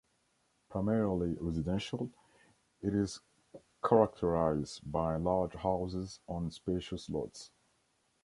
Primarily residential, it is characterized by large houses on spacious lots.